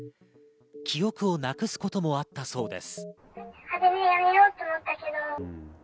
記憶をなくすこともあったそうです。